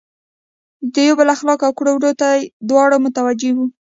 د یو بل اخلاقو او کړو وړو ته دواړه متوجه وي.